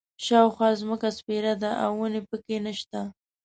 شاوخوا ځمکه سپېره ده او ونې په کې نه شته.